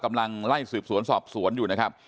กำลังไล่สืบสวนสอบสวนอยู่นะครับ